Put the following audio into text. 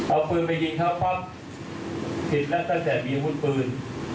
เอาปืนไปยิงเขาปั๊บผิดแล้วตั้งแต่มีอาวุธปืน